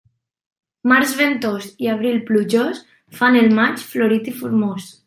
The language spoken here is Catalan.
Març ventós i abril plujós fan el maig florit i formós.